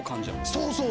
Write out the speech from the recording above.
そうそう！